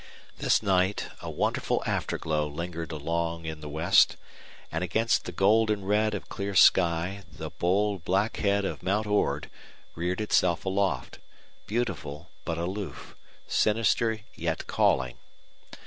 This night a wonderful afterglow lingered long in the west, and against the golden red of clear sky the bold, black head of Mount Ord reared itself aloft, beautiful but aloof, sinister yet calling.